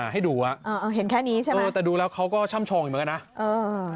เห็นแค่นี้ใช่ไหมแต่ดูแล้วเขาก็ช่ำชองอยู่มาแล้วนะ